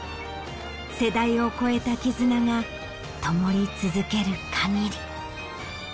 世代を超えた絆がともり続ける限り。